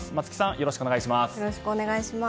よろしくお願いします。